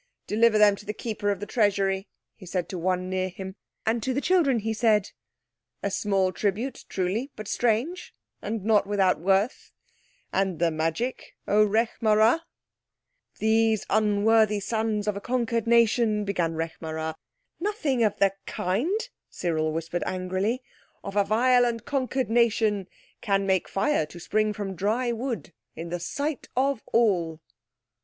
"Deliver them to the Keeper of the Treasury," he said to one near him. And to the children he said— "A small tribute, truly, but strange, and not without worth. And the magic, O Rekh marā?" "These unworthy sons of a conquered nation..." began Rekh marā. "Nothing of the kind!" Cyril whispered angrily. "... of a vile and conquered nation, can make fire to spring from dry wood—in the sight of all."